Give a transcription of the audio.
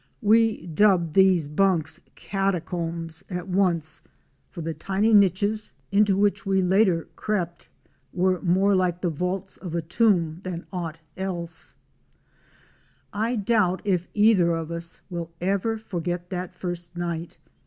We dubbed these bunks catacombs at once, for the A WOMAN'S EXPERIENCES IN VENEZUELA. 73 tiny niches into which we later crept were more like the vaults of a tomb than aught else. TI doubt if either of us will ever forget that first night.